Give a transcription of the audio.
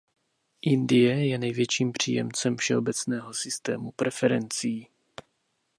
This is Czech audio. Indie je největším příjemcem všeobecného systému preferencí.